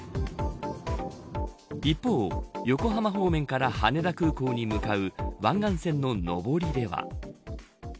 一方、横浜方面から羽田空港に向かう湾岸線の上りでは。